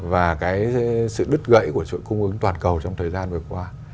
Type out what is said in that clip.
và cái sự đứt gãy của chuỗi cung ứng toàn cầu trong thời gian vừa qua